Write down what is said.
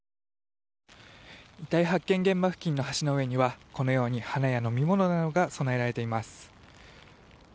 遺体発見現場付近の橋の上にはこのように花や飲み物などが供えられています。